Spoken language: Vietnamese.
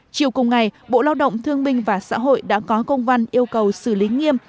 chiều cùng ngày bộ lao động thương minh và xã hội đã có công văn yêu cầu xử lý nghiêm